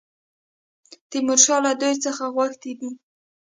تیمورشاه له دوی څخه غوښتي دي.